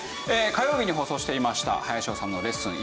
火曜日に放送していました『林修のレッスン！